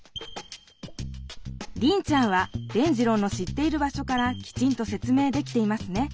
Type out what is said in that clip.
リンちゃんは伝じろうの知っている場所からきちんと説明できていますね。